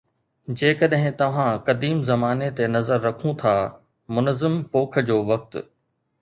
جيڪڏهن توهان قديم زماني تي نظر رکون ٿا، منظم پوک جو وقت